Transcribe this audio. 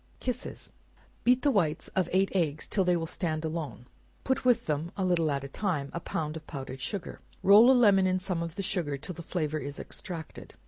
Kisses. Beat the whites of eight eggs till they will stand alone; put with them, a little at a time, a pound of powdered sugar; roll a lemon in some of the sugar till the flavor is extracted.